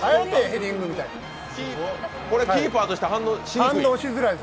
これはキーパーとして反応しづらい？